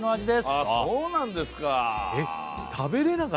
ああそうなんですか